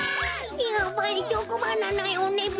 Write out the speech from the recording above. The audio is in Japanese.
やっぱりチョコバナナよねべ！